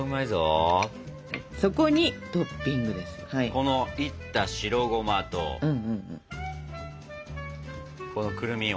このいった白ゴマとこのくるみを。